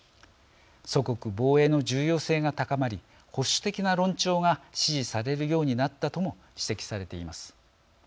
祖国防衛の重要性が高まり保守的な論調が支持されるようになったとも指摘されています。